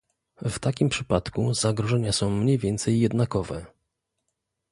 W takim przypadku zagrożenia są mniej więcej jednakowe